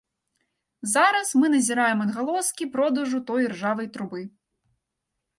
Зараз мы назіраем адгалоскі продажу той іржавай трубы.